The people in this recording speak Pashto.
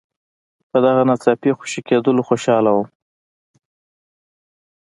په دغه ناڅاپي خوشي کېدلو خوشاله ول.